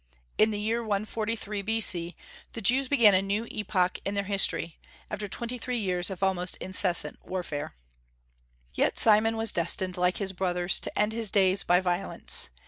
In the year 143 B.C., the Jews began a new epoch in their history, after twenty three years of almost incessant warfare. Yet Simon was destined, like his brothers, to end his days by violence.